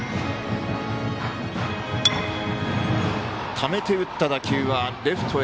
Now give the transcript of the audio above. ためて打った打球はレフトへ。